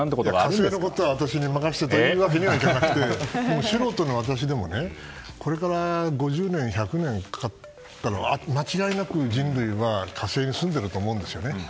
火星のことは私に任せて！というわけではないですが素人の私でも、これから５０年、１００年かかったら間違いなく人類は火星に住んでいると思うんですよね。